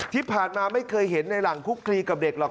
ที่ผ่านมาไม่เคยเห็นในหลังคุกคลีกับเด็กหรอก